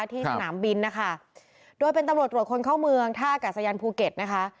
ที่สนามบินนะคะโดยเป็นตำรวจตรวจคนเข้าเมืองท่าอากาศยานภูเก็ตนะคะ